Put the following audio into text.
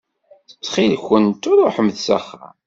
Ttxil-kent ruḥemt s axxam.